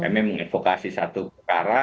memiliki vokasi satu perkara